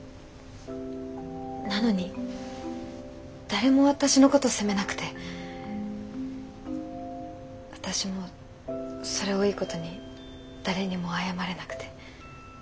なのに誰も私のこと責めなくて私もそれをいいことに誰にも謝れなくて。